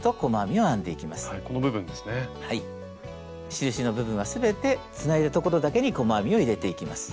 印の部分は全てつないだ所だけに細編みを入れていきます。